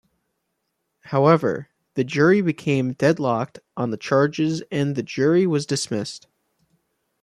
However, the jury became deadlocked on the charges and the jury was dismissed.